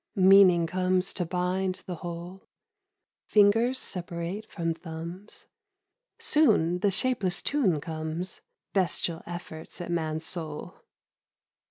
Meaning comes to bind the whole, Fingers separate from thumbs, Soon the shapeless tune comes : Bestial efforts at man's soul.